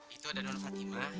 itu ada nona fatima